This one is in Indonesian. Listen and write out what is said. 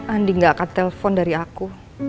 andi gak akan telpon dari aku